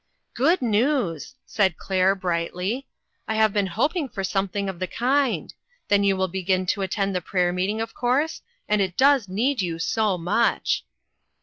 " Good news," said Claire, brightly. " I have been hoping for something of the kind. Then you will begin to attend the prayer meeting, of course, and it does need you so much